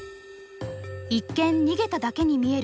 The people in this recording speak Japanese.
一見逃げただけに見える